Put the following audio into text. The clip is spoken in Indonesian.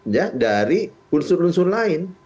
ya dari unsur unsur lain